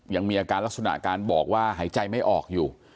ยังมีอาการลักษณะการบอกว่าหายใจไม่ออกอยู่